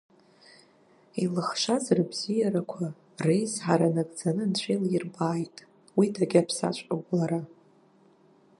Илыхшаз рыбзиарақәа, реизҳара нагӡаны Анцәа илирбааит, уи дагьаԥсаҵәҟьоуп лара…